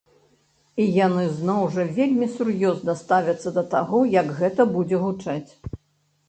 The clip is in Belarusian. І яны зноў жа вельмі сур'ёзна ставяцца да таго, як гэта будзе гучаць.